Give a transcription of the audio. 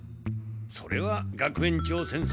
それは学園長先生